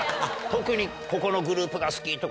特にここのグループが好きとか。